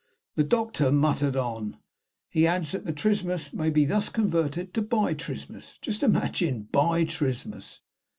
The doctor muttered on. "He adds that the trismus may be thus converted into 'Bi trismus.' Just imagine Bi trismus!"